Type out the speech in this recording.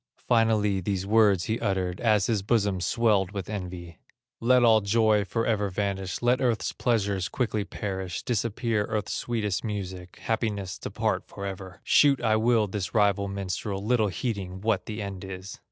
Finally these words he uttered As his bosom swelled with envy: "Let all joy forever vanish, Let earth's pleasures quickly perish, Disappear earth's sweetest music, Happiness depart forever; Shoot I will this rival minstrel, Little heeding what the end is."